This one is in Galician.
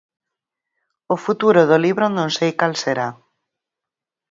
O futuro do libro non sei cal será.